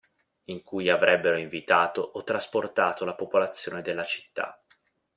In cui avrebbero invitato o trasportato la popolazione della città.